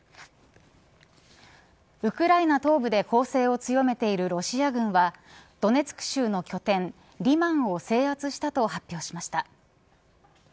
ウクライナ東部で攻勢を強めているロシア軍はドネツク州の拠点リマンを制圧したと発表しました。